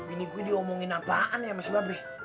ini gue diomongin apaan ya mas ibab be